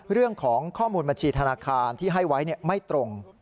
เรื่องของข้อมูลบัญชีธนาคารที่ให้ไว้ไม่ตรง